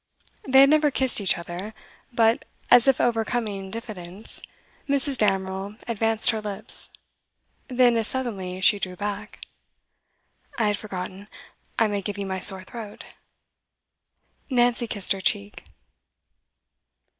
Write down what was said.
They had never kissed each other, but, as if overcoming diffidence, Mrs. Damerel advanced her lips; then, as suddenly, she drew back. 'I had forgotten. I may give you my sore throat.' Nancy kissed her cheek.